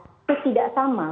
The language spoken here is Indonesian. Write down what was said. itu tidak sama